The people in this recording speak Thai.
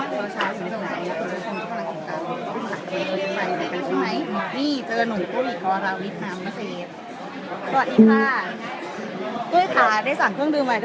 เจ้าชายสนุกในตอนนี้ก็คงกำลังกินตากลุ่มสัตว์